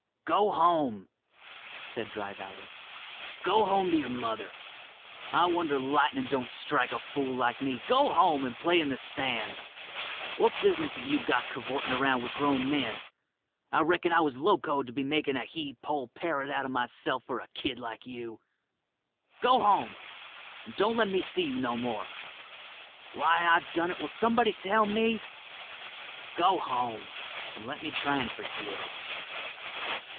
"Go home," said Dry Valley. "Go home to your mother. I wonder lightnin' don't strike a fool like me. Go home and play in the sand. What business have you got cavortin' around with grown men? I reckon I was locoed to be makin' a he poll parrot out of myself for a kid like you. Go home and don't let me see you no more. Why I done it, will somebody tell me? Go home, and let me try and forget it."